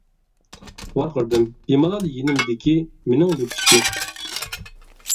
ۋارقىرىدىم بىمالال يېنىمدىكى مېنىڭ لۈكچىكى!